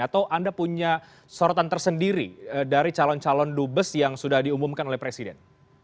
atau anda punya sorotan tersendiri dari calon calon dubes yang sudah diumumkan oleh presiden